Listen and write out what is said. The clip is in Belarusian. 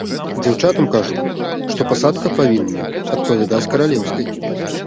Дзяўчатам кажу, што пасадка павінна адпавядаць каралеўскай.